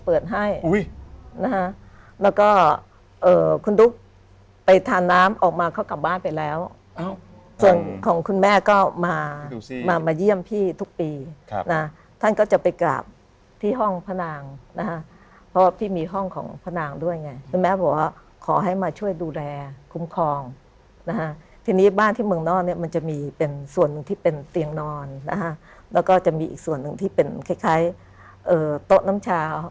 เปิดให้อุ้ยนะฮะแล้วก็เอ่อคุณดุ๊กไปทานน้ำออกมาเขากลับบ้านไปแล้วอ้าวส่วนของคุณแม่ก็มาดูซี่มามาเยี่ยมพี่ทุกปีครับนะท่านก็จะไปกราบที่ห้องพนังนะฮะเพราะพี่มีห้องของพนังด้วยไงคุณแม่บอกอ่าขอให้มาช่วยดูแลคุ้มครองนะฮะทีนี้บ้านที่เมืองนอกเนี้ยมันจะมีเป็นส่วนหนึ่งที่เป็นเตียงนอนนะฮะ